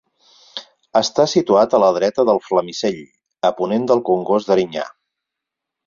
Està situat a la dreta del Flamisell, a ponent del Congost d'Erinyà.